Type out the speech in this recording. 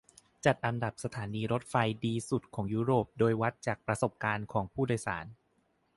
จัดอันดับสถานีรถไฟดีสุดของยุโรป โดยวัดจากประสบการณ์ของผู้โดยสาร